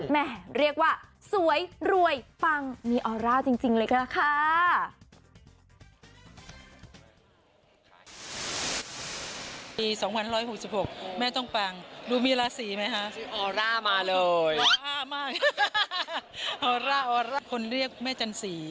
แม่เรียกว่าสวยรวยปังมีออร่าจริงเลยค่ะ